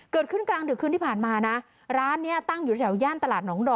เกิดขึ้นกลางดึกคืนที่ผ่านมานะร้านนี้ตั้งอยู่แถวย่านตลาดหนองดอ